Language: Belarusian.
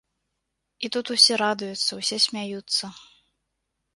І тут усе радуюцца, усе смяюцца.